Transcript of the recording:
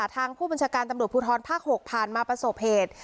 ทางผู้บัญชาการตำรวจภูทรภาค๖ผ่านมาประสบเหตุ